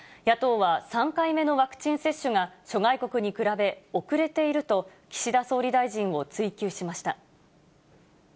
野党は３回目のワクチン接種が諸外国に比べ遅れていると、岸田総理大臣を追及しました。